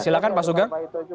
silahkan pak sugeng